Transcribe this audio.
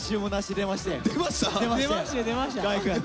出ました出ました。